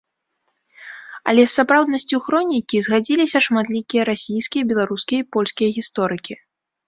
Але з сапраўднасцю хронікі згадзіліся шматлікія расійскія, беларускія і польскія гісторыкі.